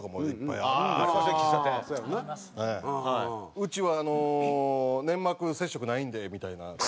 「うちは粘膜接触ないんで」みたいな。